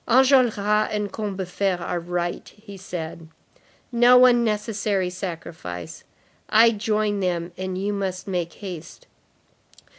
"Enjolras and Combeferre are right," said he; "no unnecessary sacrifice. I join them, and you must make haste.